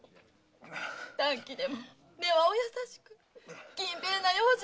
短気でも根はお優しく勤勉な要次郎様は！